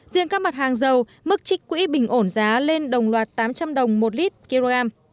riêng các mặt hàng dầu mức trích quỹ bình ổn giá lên đồng loạt tám trăm linh đồng một lít kg